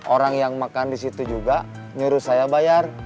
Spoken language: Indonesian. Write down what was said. orang yang makan di situ juga nyuruh saya bayar